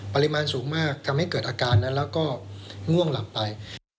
ปริมาณสูงมากทำให้เกิดอาการนั้นแล้วก็ง่วงหลับไป